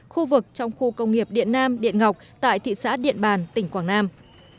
khu vực trong khu công nghiệp điện nam điện ngọc tại thị xã điện bàn tỉnh quảng nam